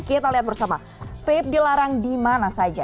kita lihat bersama vape dilarang di mana saja